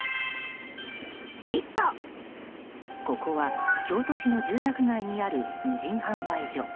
ここは京都市の住宅街にある無人販売所。